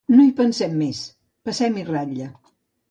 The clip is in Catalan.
No hi pensem més: passem-hi ratlla.